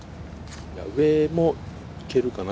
上もいけるかな？